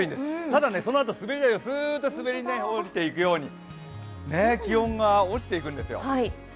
ただ、そのあと滑り台をすーっと滑り降りていくように気温が落ちていくんですよ。